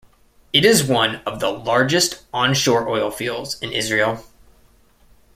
It is one of the largest on-shore oil fields in Israel.